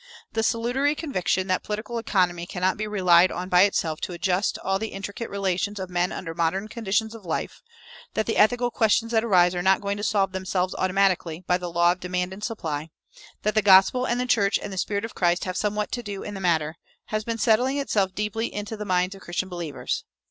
The salutary conviction that political economy cannot be relied on by itself to adjust all the intricate relations of men under modern conditions of life, that the ethical questions that arise are not going to solve themselves automatically by the law of demand and supply, that the gospel and the church and the Spirit of Christ have somewhat to do in the matter, has been settling itself deeply into the minds of Christian believers.